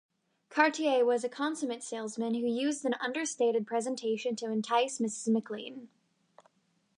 Cartier was a consummate salesman who used an understated presentation to entice Mrs. McLean.